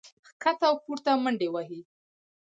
ښکته او پورته منډې وهي